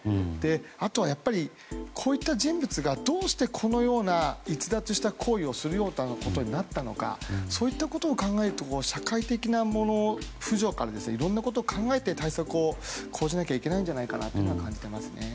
あとはやっぱりこういった人物がどうして、このような逸脱した行為をすることになったのかそういったことを考えると社会的なものからいろいろなことを考えて対策を講じなきゃいけないんじゃないかということは感じていますね。